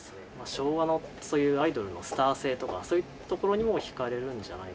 昭和のそういうアイドルのスター性とかそういうところにも惹かれるんじゃないかな。